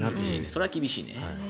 それは厳しいね。